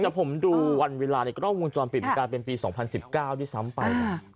แต่ผมดูวันเวลาเนี่ยก็รอบวงจรปิดปริการเป็นปี๒๐๑๙ที่ซ้ำไป